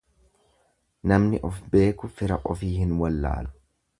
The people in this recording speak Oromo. Namni of beeku fira ufii hin wallaalu.